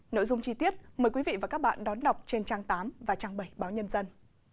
nội dung chi tiết mời quý vị và các bạn đón đọc trên trang tám và trang bảy báo nhân dân